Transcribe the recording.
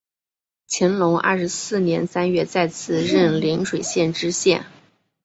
乾隆二十四年三月再次任邻水县知县。